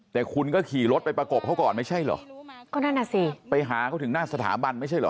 แต่คุณก็ขี่รถไปประกบเขาก่อนไม่ใช่เหรอก็นั่นน่ะสิไปหาเขาถึงหน้าสถาบันไม่ใช่เหรอ